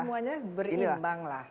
semuanya berimbang lah